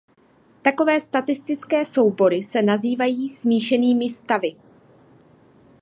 Takové statistické soubory se nazývají "smíšenými stavy".